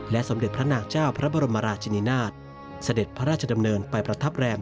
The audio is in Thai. สมเด็จพระนางเจ้าพระบรมราชินินาศเสด็จพระราชดำเนินไปประทับแรม